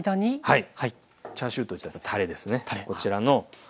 はい。